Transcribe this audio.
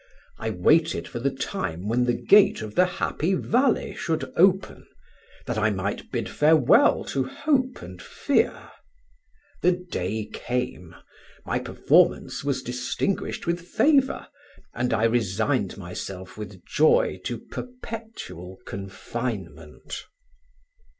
I waited for the time when the gate of the Happy Valley should open, that I might bid farewell to hope and fear; the day came, my performance was distinguished with favour, and I resigned myself with joy to perpetual confinement."